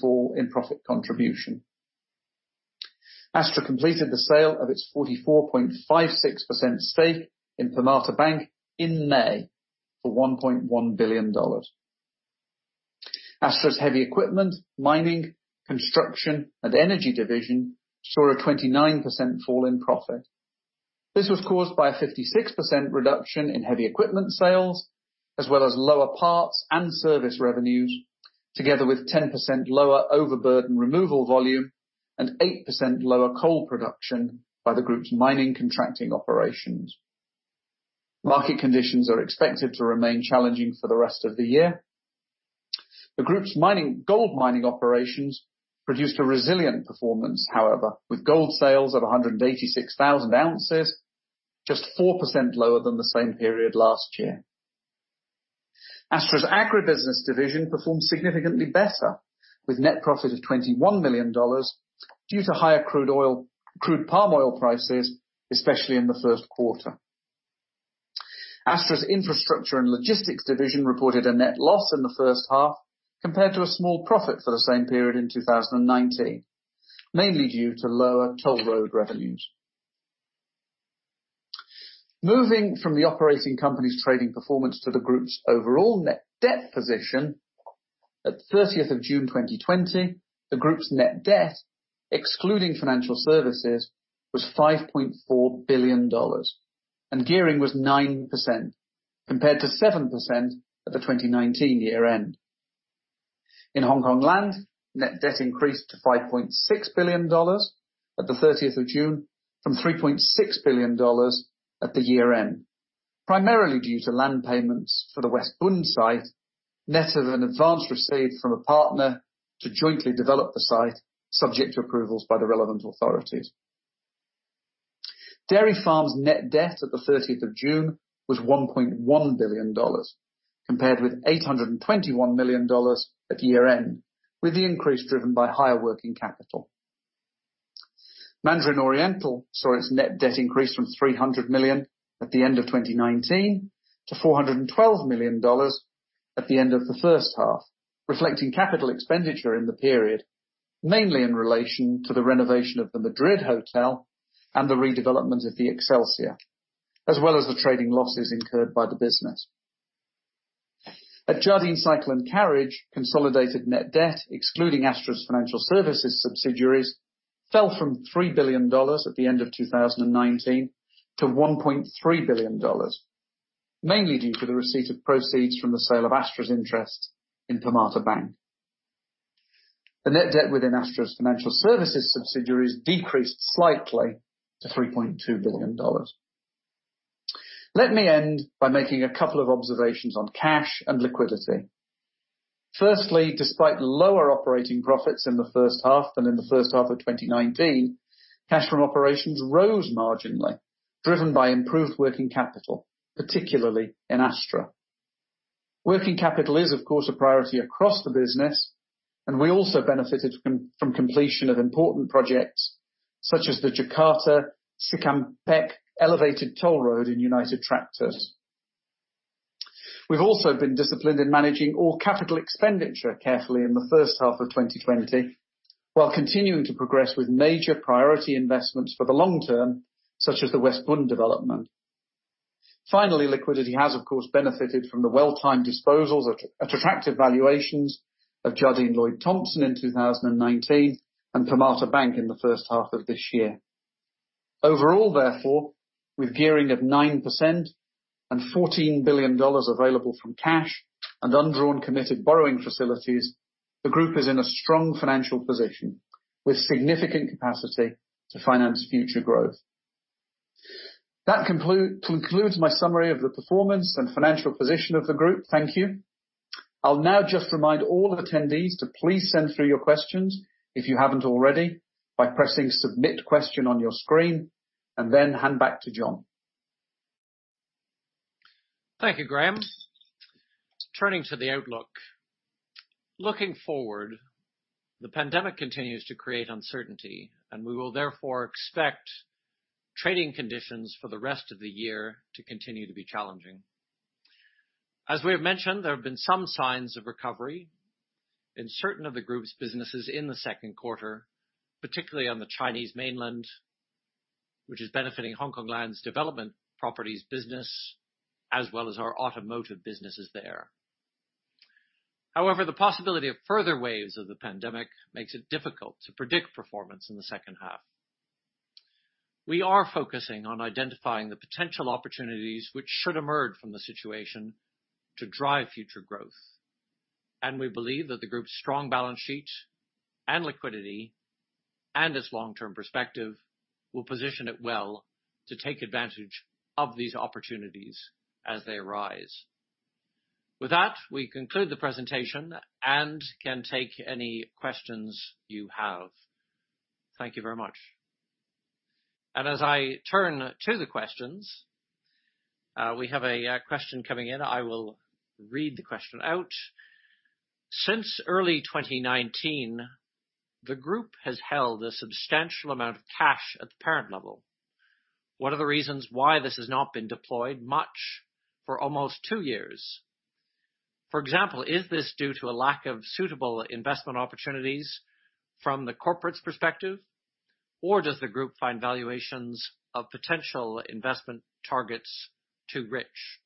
fall in profit contribution. Astra completed the sale of its 44.56% stake in Permata Bank in May for $1.1 billion. Astra's heavy equipment, mining, construction, and energy division saw a 29% fall in profit. This was caused by a 56% reduction in heavy equipment sales, as well as lower parts and service revenues, together with 10% lower overburden removal volume and 8% lower coal production by the group's mining contracting operations. Market conditions are expected to remain challenging for the rest of the year. The group's mining, gold mining operations produced a resilient performance, however, with gold sales of 186,000 ounces, just 4% lower than the same period last year. Astra's agribusiness division performed significantly better, with net profit of $21 million due to higher crude palm oil prices, especially in the first quarter. Astra's infrastructure and logistics division reported a net loss in the first half compared to a small profit for the same period in 2019, mainly due to lower toll road revenues. Moving from the operating company's trading performance to the group's overall net debt position, at 30th of June 2020, the group's net debt, excluding financial services, was $5.4 billion, and gearing was 9% compared to 7% at the 2019 year-end. In Hong Kong Land, net debt increased to $5.6 billion at the 30th of June from $3.6 billion at the year-end, primarily due to land payments for the West Bund site, net of an advance received from a partner to jointly develop the site, subject to approvals by the relevant authorities. Dairy Farm's net debt at the 30th of June was $1.1 billion, compared with $821 million at year-end, with the increase driven by higher working capital. Mandarin Oriental saw its net debt increase from $300 million at the end of 2019 to $412 million at the end of the first half, reflecting capital expenditure in the period, mainly in relation to the renovation of the Madrid Hotel and the redevelopment of the Excelsia, as well as the trading losses incurred by the business. At Jardine Cycle & Carriage, consolidated net debt, excluding Astra's financial services subsidiaries, fell from $3 billion at the end of 2019 to $1.3 billion, mainly due to the receipt of proceeds from the sale of Astra's interests in Permata Bank. The net debt within Astra's financial services subsidiaries decreased slightly to $3.2 billion. Let me end by making a couple of observations on cash and liquidity. Firstly, despite lower operating profits in the first half than in the first half of 2019, cash from operations rose marginally, driven by improved working capital, particularly in Astra. Working capital is, of course, a priority across the business, and we also benefited from completion of important projects such as the Jakarta-Cikampek elevated toll road in United Tractors. We've also been disciplined in managing all capital expenditure carefully in the first half of 2020, while continuing to progress with major priority investments for the long term, such as the West Bund development. Finally, liquidity has, of course, benefited from the well-timed disposals at attractive valuations of Jardine Lloyd Thompson in 2019 and Permata Bank in the first half of this year. Overall, therefore, with gearing of 9% and $14 billion available from cash and undrawn committed borrowing facilities, the group is in a strong financial position with significant capacity to finance future growth. That concludes my summary of the performance and financial position of the group. Thank you. I'll now just remind all attendees to please send through your questions, if you haven't already, by pressing Submit Question on your screen, and then hand back to John. Thank you, Graham. Turning to the outlook. Looking forward, the pandemic continues to create uncertainty, and we will therefore expect trading conditions for the rest of the year to continue to be challenging. As we have mentioned, there have been some signs of recovery in certain of the group's businesses in the second quarter, particularly on the Chinese mainland, which is benefiting Hong Kong Land's Development Properties business, as well as our automotive businesses there. However, the possibility of further waves of the pandemic makes it difficult to predict performance in the second half. We are focusing on identifying the potential opportunities which should emerge from the situation to drive future growth, and we believe that the group's strong balance sheet and liquidity and its long-term perspective will position it well to take advantage of these opportunities as they arise. With that, we conclude the presentation and can take any questions you have. Thank you very much. As I turn to the questions, we have a question coming in. I will read the question out. Since early 2019, the group has held a substantial amount of cash at the parent level. What are the reasons why this has not been deployed much for almost two years? For example, is this due to a lack of suitable investment opportunities from the corporate's perspective, or does the group find valuations of potential investment targets too rich?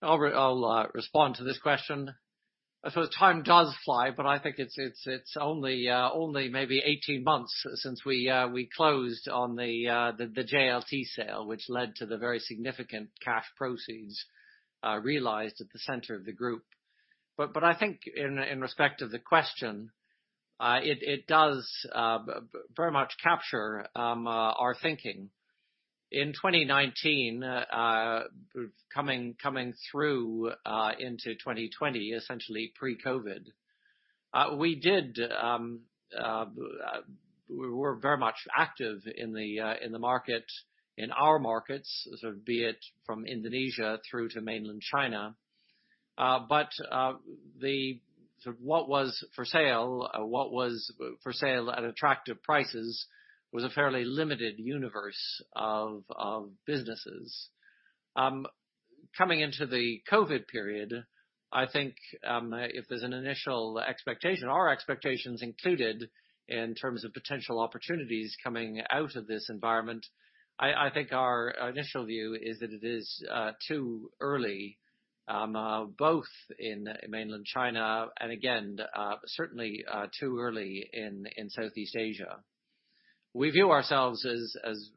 I'll respond to this question. I suppose time does fly, but I think it's only maybe 18 months since we closed on the JLT sale, which led to the very significant cash proceeds realized at the center of the group. I think in respect of the question, it does very much capture our thinking. In 2019, coming through into 2020, essentially pre-COVID, we were very much active in the market, in our markets, be it from Indonesia through to mainland China. What was for sale at attractive prices was a fairly limited universe of businesses. Coming into the COVID period, I think if there's an initial expectation, our expectations included in terms of potential opportunities coming out of this environment, I think our initial view is that it is too early, both in mainland China and, again, certainly too early in Southeast Asia. We view ourselves as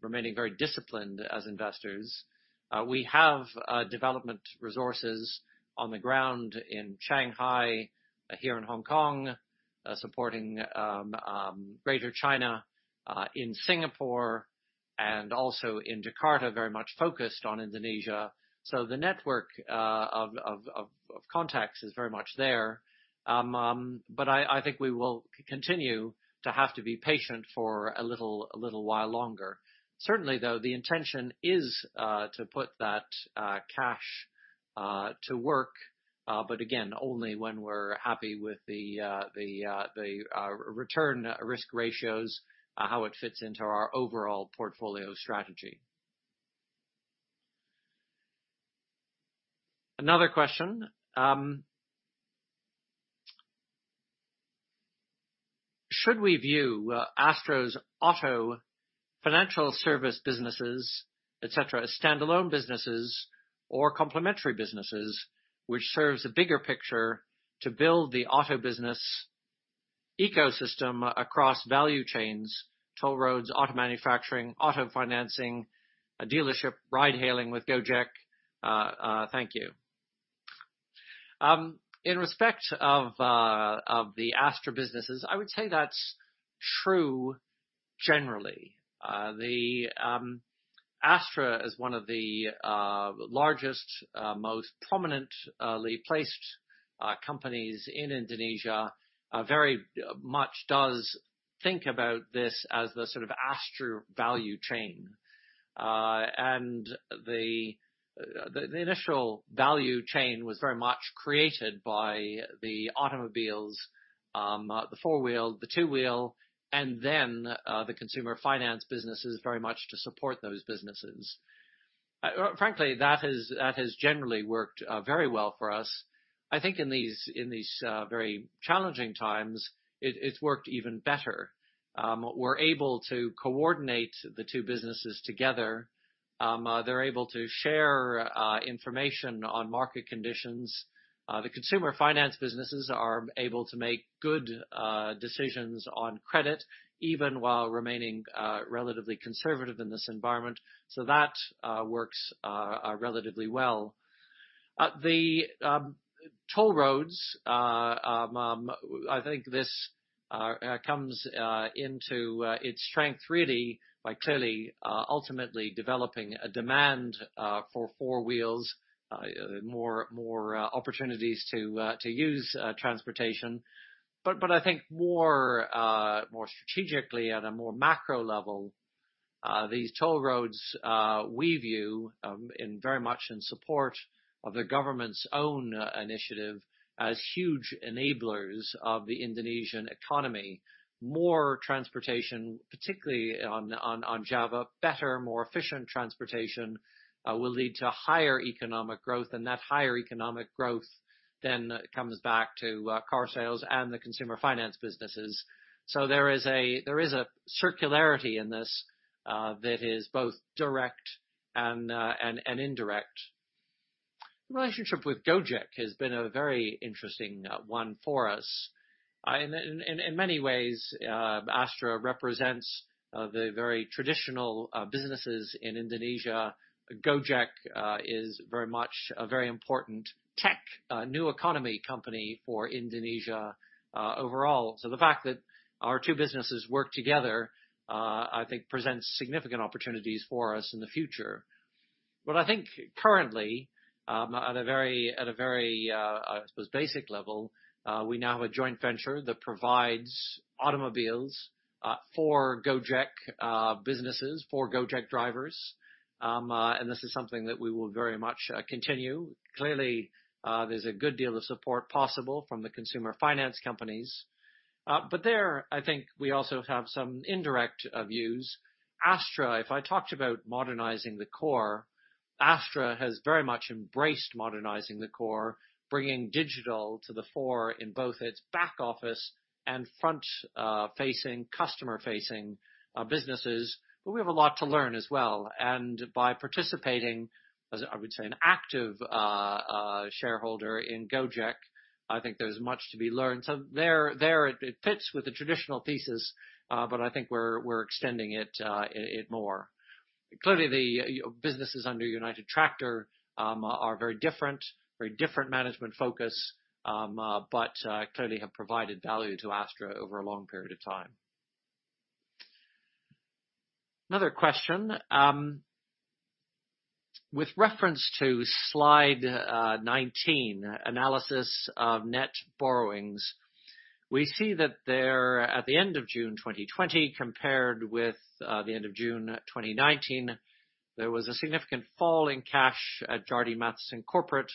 remaining very disciplined as investors. We have development resources on the ground in Shanghai, here in Hong Kong, supporting Greater China, in Singapore, and also in Jakarta, very much focused on Indonesia. The network of contacts is very much there. I think we will continue to have to be patient for a little while longer. Certainly, though, the intention is to put that cash to work, but again, only when we're happy with the return risk ratios, how it fits into our overall portfolio strategy. Another question. Should we view Astra's auto financial service businesses, etc., as standalone businesses or complementary businesses, which serves a bigger picture to build the auto business ecosystem across value chains, toll roads, auto manufacturing, auto financing, dealership, ride-hailing with Gojek? Thank you. In respect of the Astra businesses, I would say that's true generally. Astra is one of the largest, most prominently placed companies in Indonesia. Very much does think about this as the sort of Astra value chain. The initial value chain was very much created by the automobiles, the four-wheel, the two-wheel, and then the consumer finance businesses very much to support those businesses. Frankly, that has generally worked very well for us. I think in these very challenging times, it's worked even better. We're able to coordinate the two businesses together. They're able to share information on market conditions. The consumer finance businesses are able to make good decisions on credit, even while remaining relatively conservative in this environment. That works relatively well. The toll roads, I think this comes into its strength really by clearly ultimately developing a demand for four wheels, more opportunities to use transportation. I think more strategically at a more macro level, these toll roads, we view very much in support of the government's own initiative as huge enablers of the Indonesian economy. More transportation, particularly on Java, better, more efficient transportation will lead to higher economic growth, and that higher economic growth then comes back to car sales and the consumer finance businesses. There is a circularity in this that is both direct and indirect. The relationship with Gojek has been a very interesting one for us. In many ways, Astra represents the very traditional businesses in Indonesia. Gojek is very much a very important tech, new economy company for Indonesia overall. The fact that our two businesses work together, I think, presents significant opportunities for us in the future. I think currently, at a very, I suppose, basic level, we now have a joint venture that provides automobiles for Gojek businesses, for Gojek drivers. This is something that we will very much continue. Clearly, there is a good deal of support possible from the consumer finance companies. There, I think we also have some indirect views. Astra, if I talked about modernizing the core, Astra has very much embraced modernizing the core, bringing digital to the fore in both its back office and front-facing, customer-facing businesses. We have a lot to learn as well. By participating, I would say, as an active shareholder in Gojek, I think there is much to be learned. There it fits with the traditional thesis, but I think we are extending it more. Clearly, the businesses under United Tractors are very different, very different management focus, but clearly have provided value to Astra over a long period of time. Another question. With reference to slide 19, analysis of net borrowings, we see that there at the end of June 2020, compared with the end of June 2019, there was a significant fall in cash at Jardine Matheson Corporate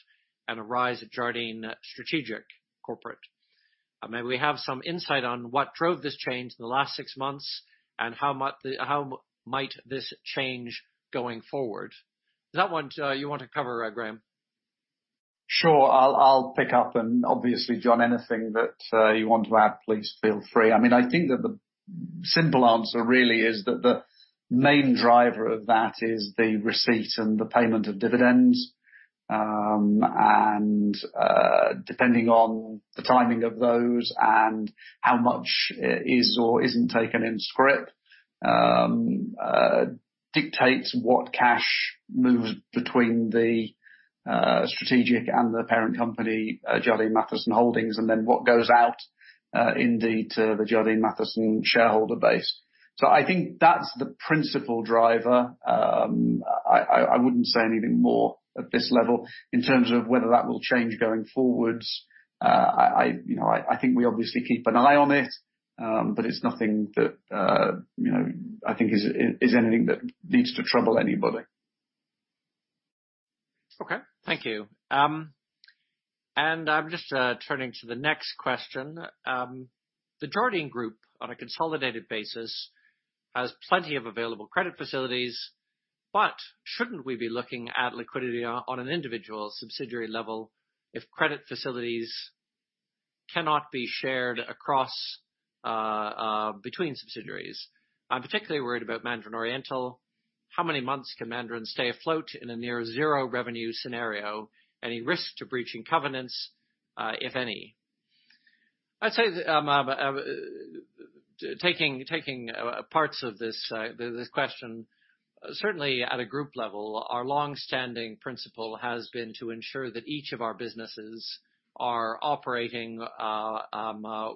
and a rise at Jardine Strategic Corporate. Maybe we have some insight on what drove this change in the last six months and how might this change going forward? Is that one you want to cover, Graham? Sure. I'll pick up. Obviously, John, anything that you want to add, please feel free. I mean, I think that the simple answer really is that the main driver of that is the receipt and the payment of dividends. Depending on the timing of those and how much is or isn't taken in scrip dictates what cash moves between the strategic and the parent company, Jardine Matheson Holdings, and then what goes out indeed to the Jardine Matheson shareholder base. I think that's the principal driver. I wouldn't say anything more at this level in terms of whether that will change going forwards. I think we obviously keep an eye on it, but it's nothing that I think is anything that needs to trouble anybody. Okay. Thank you. I'm just turning to the next question. The Jardine Group, on a consolidated basis, has plenty of available credit facilities, but shouldn't we be looking at liquidity on an individual subsidiary level if credit facilities cannot be shared between subsidiaries? I'm particularly worried about Mandarin Oriental. How many months can Mandarin stay afloat in a near-zero revenue scenario? Any risk to breaching covenants, if any? I'd say taking parts of this question, certainly at a group level, our long-standing principle has been to ensure that each of our businesses are operating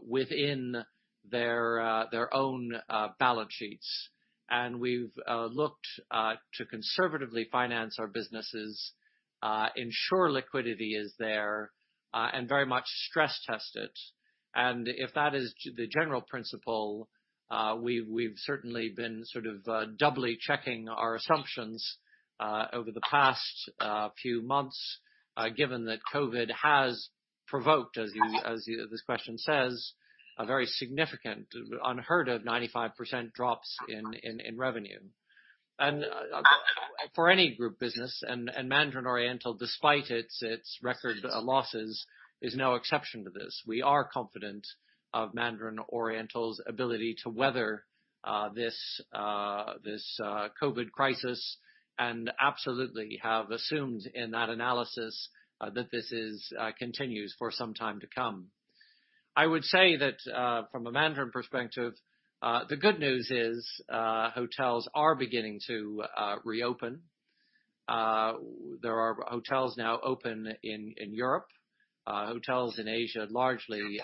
within their own balance sheets. We've looked to conservatively finance our businesses, ensure liquidity is there, and very much stress test it. If that is the general principle, we've certainly been sort of doubly checking our assumptions over the past few months, given that COVID has provoked, as this question says, a very significant, unheard-of 95% drops in revenue. For any group business, and Mandarin Oriental, despite its record losses, is no exception to this. We are confident of Mandarin Oriental's ability to weather this COVID crisis and absolutely have assumed in that analysis that this continues for some time to come. I would say that from a Mandarin perspective, the good news is hotels are beginning to reopen. There are hotels now open in Europe. Hotels in Asia largely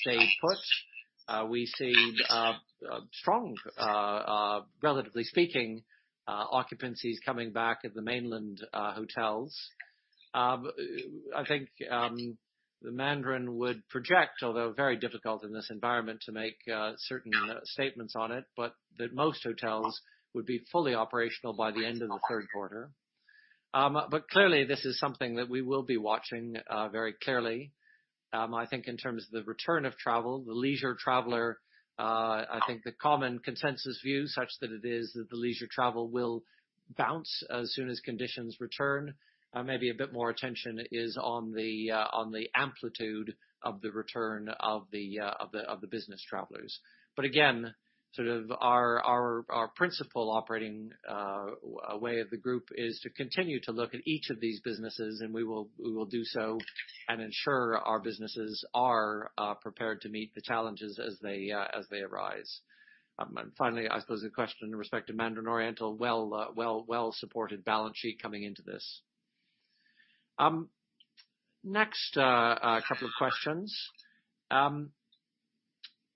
stay put. We see strong, relatively speaking, occupancies coming back at the mainland hotels. I think the Mandarin would project, although very difficult in this environment to make certain statements on it, that most hotels would be fully operational by the end of the third quarter. This is something that we will be watching very clearly. I think in terms of the return of travel, the leisure traveler, I think the common consensus view, such that it is, is that the leisure travel will bounce as soon as conditions return. Maybe a bit more attention is on the amplitude of the return of the business travelers. Again, sort of our principal operating way of the group is to continue to look at each of these businesses, and we will do so and ensure our businesses are prepared to meet the challenges as they arise. Finally, I suppose the question in respect to Mandarin Oriental, well-supported balance sheet coming into this. Next couple of questions.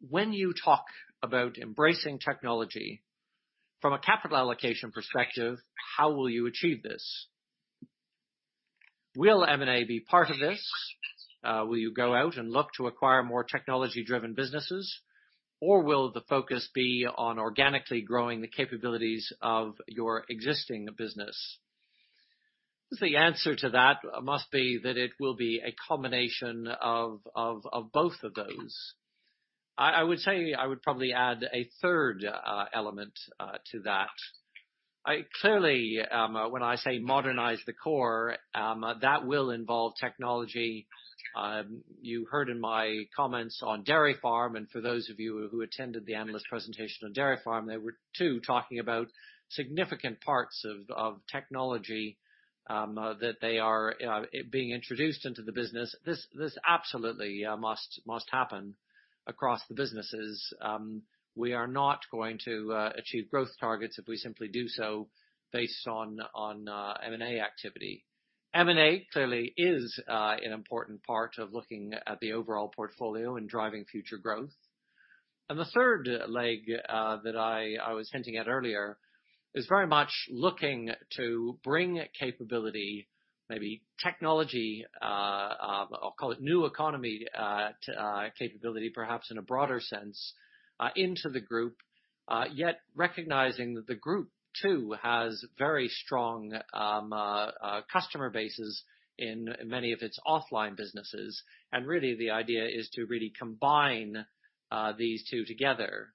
When you talk about embracing technology from a capital allocation perspective, how will you achieve this? Will M&A be part of this? Will you go out and look to acquire more technology-driven businesses, or will the focus be on organically growing the capabilities of your existing business? The answer to that must be that it will be a combination of both of those. I would say I would probably add a third element to that. Clearly, when I say modernize the core, that will involve technology. You heard in my comments on Dairy Farm, and for those of you who attended the analyst presentation on Dairy Farm, they were too talking about significant parts of technology that they are being introduced into the business. This absolutely must happen across the businesses. We are not going to achieve growth targets if we simply do so based on M&A activity. M&A clearly is an important part of looking at the overall portfolio and driving future growth. The third leg that I was hinting at earlier is very much looking to bring capability, maybe technology, I'll call it new economy capability, perhaps in a broader sense, into the group, yet recognizing that the group too has very strong customer bases in many of its offline businesses. Really, the idea is to really combine these two together.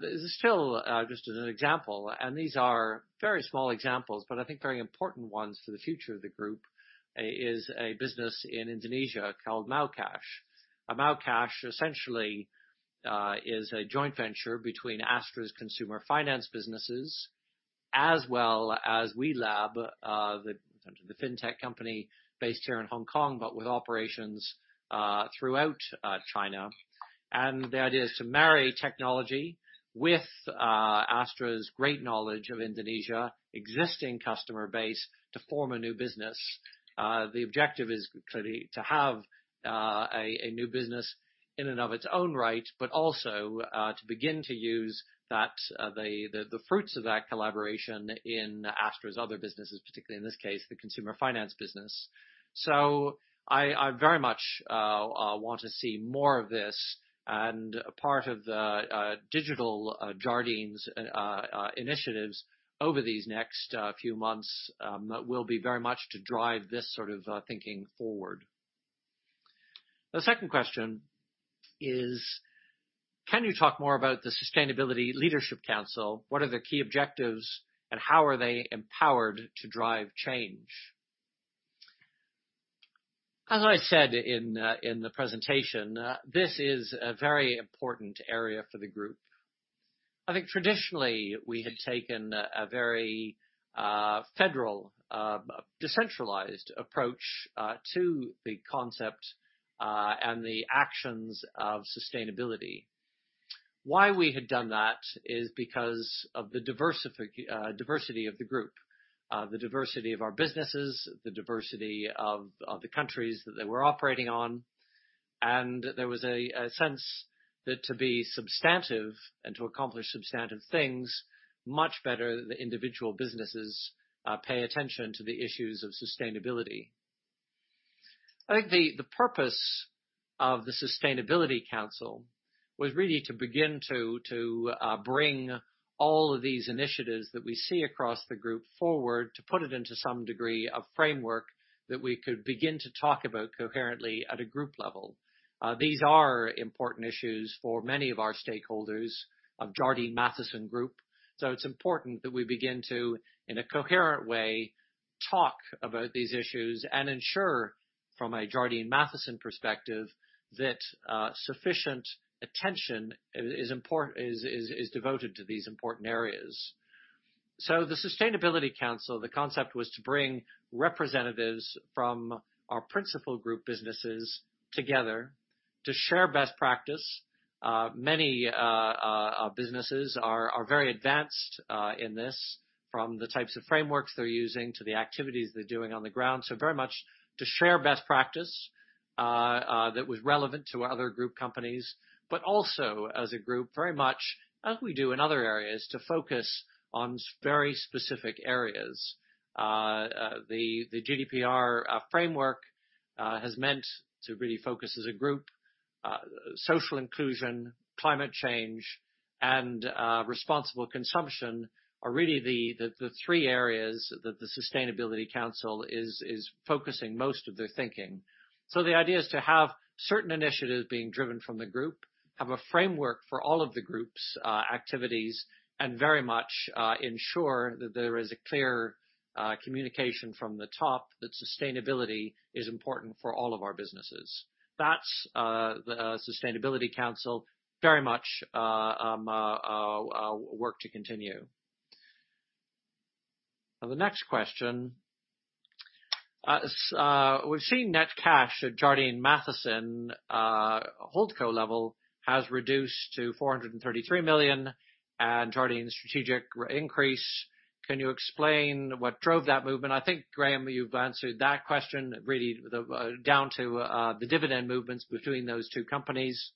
This is still just an example, and these are very small examples, but I think very important ones for the future of the group is a business in Indonesia called Maucash. Maucash essentially is a joint venture between Astra's consumer finance businesses as well as WeLab, the fintech company based here in Hong Kong, but with operations throughout China. The idea is to marry technology with Astra's great knowledge of Indonesia existing customer base to form a new business. The objective is clearly to have a new business in and of its own right, but also to begin to use the fruits of that collaboration in Astra's other businesses, particularly in this case, the consumer finance business. I very much want to see more of this, and part of the digital Jardine's initiatives over these next few months will be very much to drive this sort of thinking forward. The second question is, can you talk more about the Sustainability Leadership Council? What are the key objectives, and how are they empowered to drive change? As I said in the presentation, this is a very important area for the group. I think traditionally, we had taken a very federal, decentralized approach to the concept and the actions of sustainability. Why we had done that is because of the diversity of the group, the diversity of our businesses, the diversity of the countries that they were operating on. There was a sense that to be substantive and to accomplish substantive things, much better the individual businesses pay attention to the issues of sustainability. I think the purpose of the Sustainability Council was really to begin to bring all of these initiatives that we see across the group forward, to put it into some degree of framework that we could begin to talk about coherently at a group level. These are important issues for many of our stakeholders of Jardine Matheson Group. It is important that we begin to, in a coherent way, talk about these issues and ensure, from a Jardine Matheson perspective, that sufficient attention is devoted to these important areas. The Sustainability Council, the concept was to bring representatives from our principal group businesses together to share best practice. Many businesses are very advanced in this, from the types of frameworks they're using to the activities they're doing on the ground. Very much to share best practice that was relevant to other group companies, but also as a group, very much, as we do in other areas, to focus on very specific areas. The GDPR framework has meant to really focus as a group. Social inclusion, climate change, and responsible consumption are really the three areas that the Sustainability Council is focusing most of their thinking. The idea is to have certain initiatives being driven from the group, have a framework for all of the group's activities, and very much ensure that there is a clear communication from the top that sustainability is important for all of our businesses. That's the Sustainability Council very much work to continue. The next question. We've seen net cash at Jardine Matheson Holdco level has reduced to $433 million, and Jardine Strategic increase. Can you explain what drove that movement? I think, Graham, you've answered that question really down to the dividend movements between those two companies.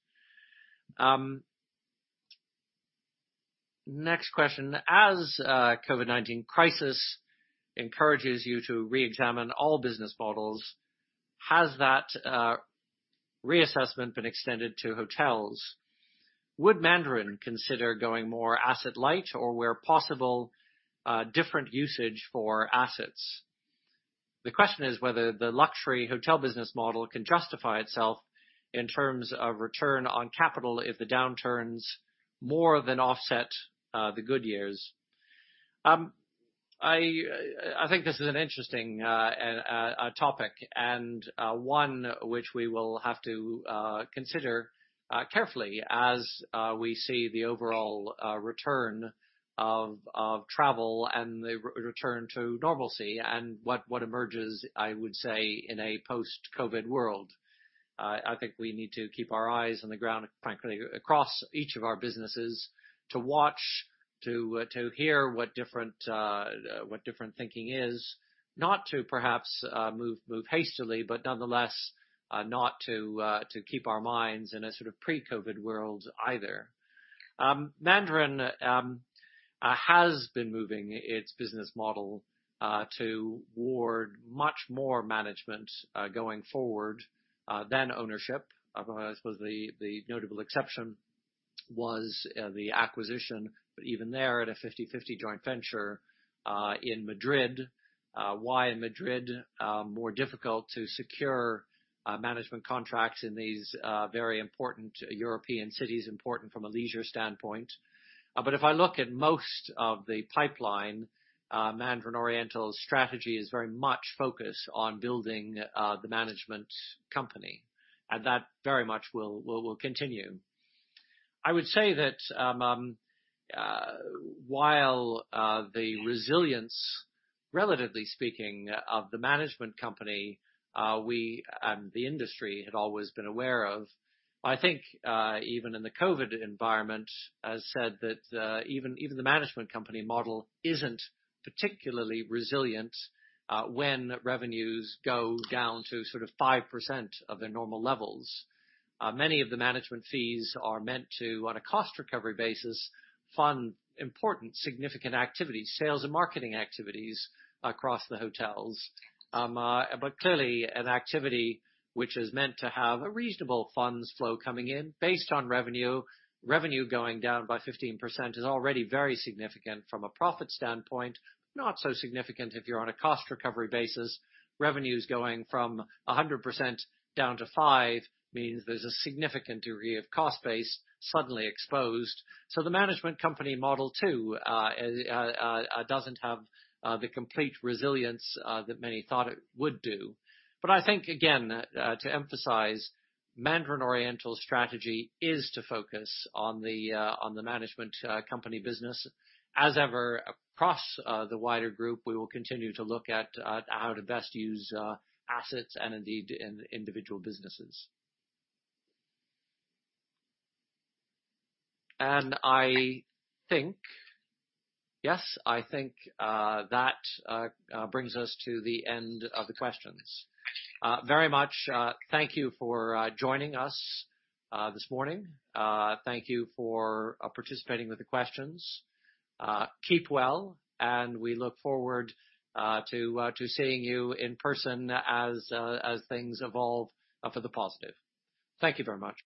Next question. As COVID-19 crisis encourages you to re-examine all business models, has that reassessment been extended to hotels? Would Mandarin consider going more asset-light or, where possible, different usage for assets? The question is whether the luxury hotel business model can justify itself in terms of return on capital if the downturns more than offset the good years. I think this is an interesting topic and one which we will have to consider carefully as we see the overall return of travel and the return to normalcy and what emerges, I would say, in a post-COVID world. I think we need to keep our eyes on the ground, frankly, across each of our businesses to watch, to hear what different thinking is, not to perhaps move hastily, but nonetheless not to keep our minds in a sort of pre-COVID world either. Mandarin has been moving its business model toward much more management going forward than ownership. I suppose the notable exception was the acquisition, but even there at a 50/50 joint venture in Madrid. Why in Madrid? More difficult to secure management contracts in these very important European cities, important from a leisure standpoint. If I look at most of the pipeline, Mandarin Oriental's strategy is very much focused on building the management company, and that very much will continue. I would say that while the resilience, relatively speaking, of the management company and the industry had always been aware of, I think even in the COVID environment, as said, that even the management company model isn't particularly resilient when revenues go down to sort of 5% of their normal levels. Many of the management fees are meant to, on a cost recovery basis, fund important, significant activities, sales and marketing activities across the hotels. Clearly, an activity which is meant to have a reasonable funds flow coming in based on revenue, revenue going down by 15% is already very significant from a profit standpoint, not so significant if you're on a cost recovery basis. Revenues going from 100% down to 5% means there's a significant degree of cost base suddenly exposed. The management company model too doesn't have the complete resilience that many thought it would do. I think, again, to emphasize, Mandarin Oriental's strategy is to focus on the management company business. As ever across the wider group, we will continue to look at how to best use assets and indeed individual businesses. I think, yes, I think that brings us to the end of the questions. Very much thank you for joining us this morning. Thank you for participating with the questions. Keep well, and we look forward to seeing you in person as things evolve for the positive. Thank you very much.